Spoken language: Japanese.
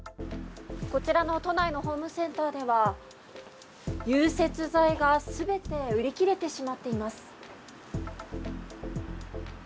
こちらの都内のホームセンターでは、融雪剤がすべて売り切れてしまっています。